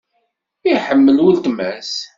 Iḥemmel wletma-s.